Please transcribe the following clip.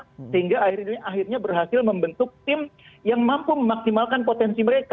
sehingga akhirnya berhasil membentuk tim yang mampu memaksimalkan potensi mereka